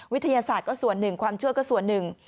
วิทยาศาสตร์ก็ส่วนหนึ่งความเชื่อก็ส่วนหนึ่ง